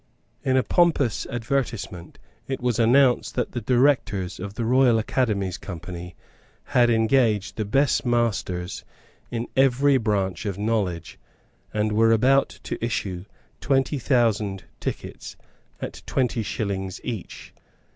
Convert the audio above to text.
In a pompous advertisement it was announced that the directors of the Royal Academies Company had engaged the best masters in every branch of knowledge, and were about to issue twenty thousand tickets at twenty shillings each.